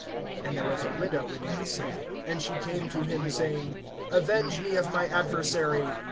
(3)And there was a widow in that city; and she came to him, saying: Avenge me of my adversary.